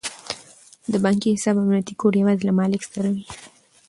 د بانکي حساب امنیتي کوډ یوازې له مالیک سره وي.